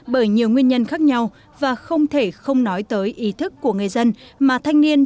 bởi nhiều nguyên nhân khác nhau và không thể không nói tới ý thức của người dân mà thanh niên